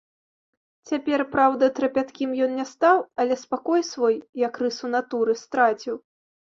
Цяпер, праўда, трапяткім ён не стаў, але спакой свой, як рысу натуры, страціў.